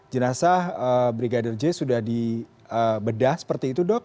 jenazah brigadir j sudah dibedah seperti itu dok